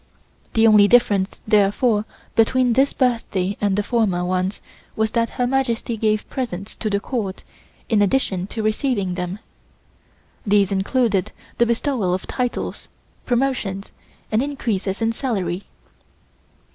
The only difference, therefore, between this birthday and former ones was that Her Majesty gave presents to the Court, in addition to receiving them. These included the bestowal of titles, promotions and increases in salary.